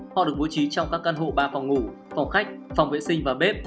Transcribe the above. họ được bố trí trong các căn hộ ba phòng ngủ phòng khách phòng vệ sinh và bếp